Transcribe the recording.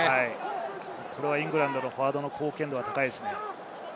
イングランドのフォワードの貢献度は高いですね。